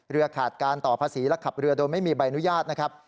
ขาดการต่อภาษีและขับเรือโดยไม่มีใบอนุญาตนะครับ